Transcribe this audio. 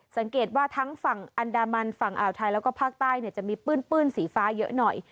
สังเกตว่าทั้งฝั่งอันดามันฝั่งอ่าวไทยแล้วก็ภาคใต้จะมีปื้นสีฟ้าเยอะหน่อย